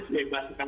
dia sudah terbuka